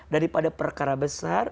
daripada perkara besar